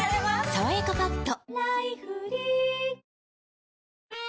「さわやかパッド」